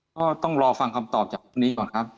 ก็ต้องรอฟังคำตอบจากนี้ก่อนครับ